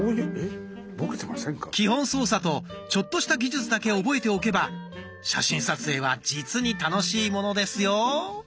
基本操作とちょっとした技術だけ覚えておけば写真撮影は実に楽しいものですよ。